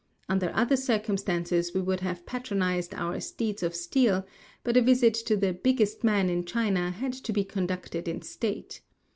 Under other circumstances we would have patronized our "steeds of steel," but a visit to the "biggest" man in China had to be conducted in state.